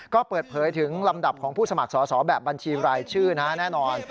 ก็เปิดเผยถึงลำดับของผู้สมัครสอบแบบบัญชีรายชื่อนะแน่นอน